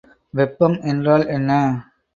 வெப்பம் என்றால் என்ன?